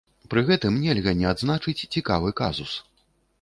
Пры гэтым нельга не адзначыць цікавы казус.